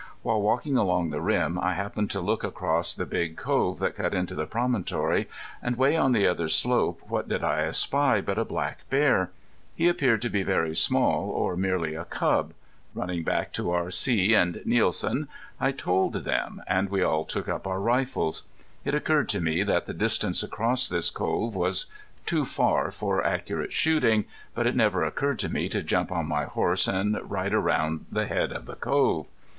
While walking along the rim I happened to look across the big cove that cut into the promontory, and way on the other slope what did I espy but a black bear. He appeared to be very small, or merely a cub. Running back to R.C. and Nielsen I told them, and we all took up our rifles. It occurred to me that the distance across this cove was too far for accurate shooting, but it never occurred to me to jump on my horse and ride around the head of the cove.